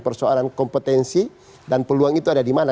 persoalan kompetensi dan peluang itu ada di mana